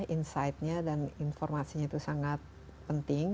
insightnya dan informasinya itu sangat penting